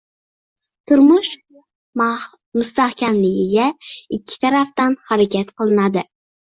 Turmush mustahkamligiga ikki tarafdan harakat qilinadi